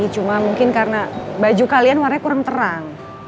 cuma mungkin karena baju kalian warnanya kurang terang